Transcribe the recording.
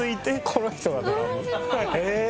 へえ。